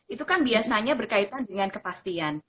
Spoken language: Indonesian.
itu kan biasanya berkaitan dengan kepastian